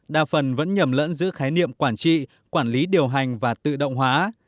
đa phần vẫn nhầm lẫn giữa khái niệm quản trị quản lý điều hành và tự động hóa